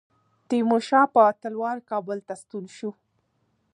تیمورشاه په تلوار کابل ته ستون شو.